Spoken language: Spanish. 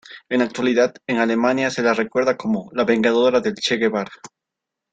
En la actualidad, en Alemania se la recuerda como "la vengadora del Che Guevara".